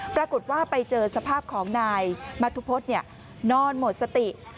ปรากฏว่าไปเจอสภาพของนายมัธุพฤษนอนหมดสติ